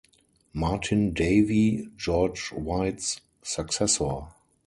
Martin Davey, George White's successor.